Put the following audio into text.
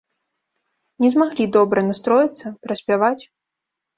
Не змаглі добра настроіцца, праспяваць.